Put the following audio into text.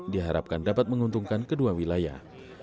diharapkan dapat menguntungkan kedua wilayah